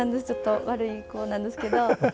ちょっと悪い子なんどすけど。